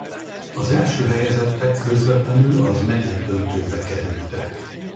Az első helyezettek közvetlenül az negyeddöntőbe kerültek.